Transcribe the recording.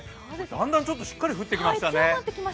だんだんしっかり降ってきましたね。